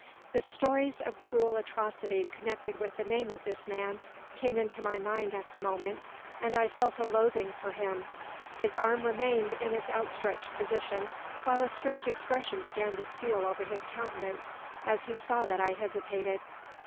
The stories of cruel atrocity connected with the name of this man came into my mind at the moment, and I felt a loathing for him. His arm remained in its outstretched position, while a strange expression began to steal over his countenance, as he saw that I hesitated.